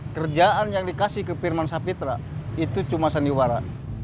kerjaan yang dikasih ke firman sapitra itu cuma sandiwara